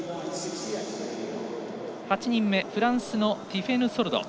８人目、フランスのティフェヌ・ソルド。